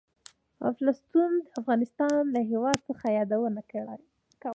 الفونستون د افغانستان له هېواد څخه یادونه کړې.